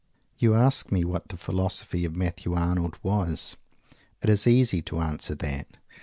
You ask me what the Philosophy of Matthew Arnold was? It is easy to answer that.